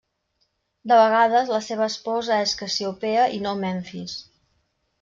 De vegades la seva esposa és Cassiopea i no Memfis.